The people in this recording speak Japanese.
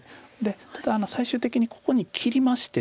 ただ最終的にここに切りまして。